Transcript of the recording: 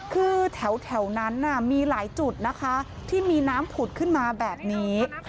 คือแถวนั้นมีหลายจุดนะคะที่มีน้ำผุดขึ้นมาแบบนี้